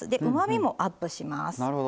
うまみもアップします。